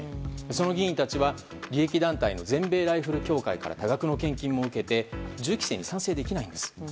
その議員たちは利益団体の全米ライフル協会から多額の献金を受けて銃規制に賛成できないんです。